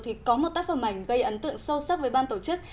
thì có một tác phẩm ảnh gây ấn tượng sâu sắc với ban tổ chức